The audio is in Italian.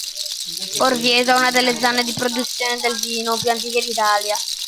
Orvieto è una delle zone di produzione del vino più antiche d'Italia.